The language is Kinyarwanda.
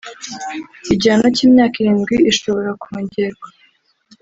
Igihano cy’imyaka irindwi ishobora kongerwa